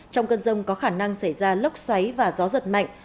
trong cơn rông có khả năng xảy ra lốc xoáy và gió giật mạnh